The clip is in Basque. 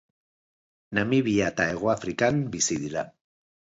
Namibia eta Hegoafrikan bizi dira.